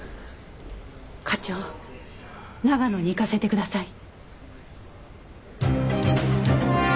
課長長野に行かせてください。